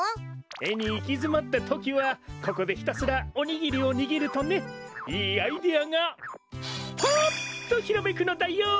えにいきづまったときはここでひたすらおにぎりをにぎるとねいいアイデアがパッとひらめくのだよ！